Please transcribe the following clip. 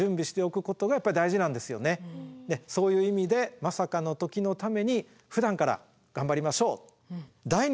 そういう意味でまさかの時のためにふだんから頑張りましょう。